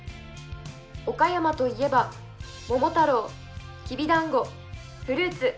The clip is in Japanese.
岡山といえば、桃太郎きびだんご、フルーツ。